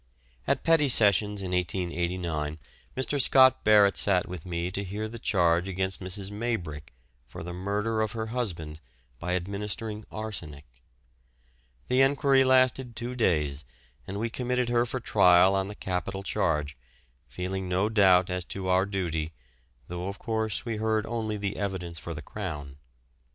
At Petty Sessions in 1889 Mr. Scott Barrett sat with me to hear the charge against Mrs. Maybrick for the murder of her husband by administering arsenic. The enquiry lasted two days and we committed her for trial on the capital charge, feeling no doubt as to our duty, though of course we heard only the evidence for the Crown.